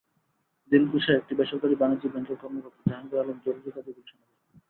দিলকুশায় একটি বেসরকারি বাণিজ্যিক ব্যাংকের কর্মকর্তা জাহাঙ্গীর আলম জরুরি কাজে গুলশানে যাবেন।